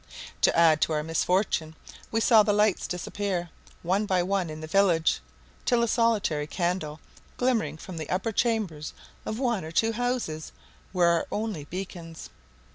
To add to our misfortune we saw the lights disappear, one by one, in the village, till a solitary candle, glimmering from the upper chambers of one or two houses, were our only beacons.